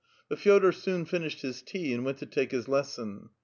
But Feodor soon finished his tea and went to take his les son.